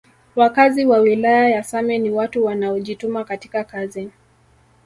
Wakazi wa wilaya ya same ni watu wanaojituma katika kazi